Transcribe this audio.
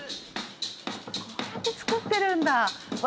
こうやって作ってるんだうわ